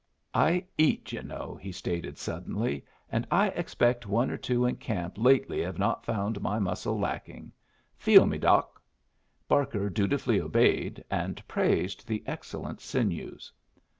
I eat, yu' know!" he stated, suddenly. "And I expect one or two in camp lately have not found my muscle lacking. Feel me, Doc." Barker dutifully obeyed, and praised the excellent sinews.